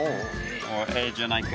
ええじゃないか。